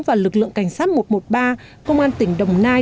và lực lượng cảnh sát một trăm một mươi ba công an tỉnh đồng nai